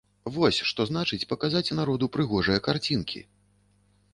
Вось што значыць паказаць народу прыгожыя карцінкі!